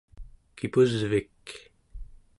kipusvik